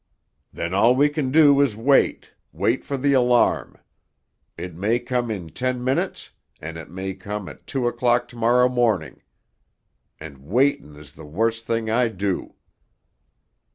"Then all we can do is wait—wait for the alarm. It may come in ten minutes, and it may come at two o'clock to morrow morning. And waitin' is the worst thing I do!"